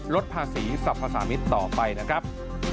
ลดภาษีสรรพสามิตรต่อไปนะครับ